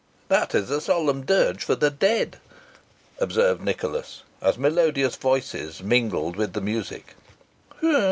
"That is a solemn dirge for the dead," observed Nicholas, as melodious voices mingled with the music.